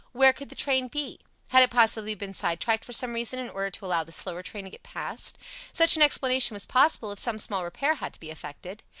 Where could the train be? Had it possibly been sidetracked for some reason in order to allow the slower train to go past? Such an explanation was possible if some small repair had to be effected.